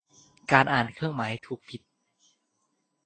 การอ่านเครื่องหมาย ถูก ผิด